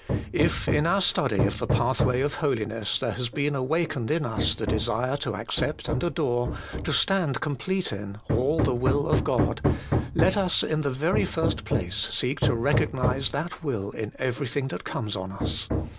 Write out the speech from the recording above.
If, in our study of the pathway of Holiness, there has been awakened in us the desire to accept and adore, and stand complete in, all the will of God, let us in the very first place seek to recognise that will in everything that comes on us.